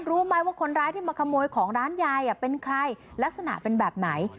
รู้ไหมว่าคนร้ายที่มาขโมยของร้านยายเป็นใครลักษณะเป็นแบบไหน